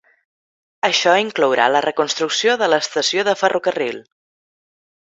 Això inclourà la reconstrucció de l'estació de ferrocarril.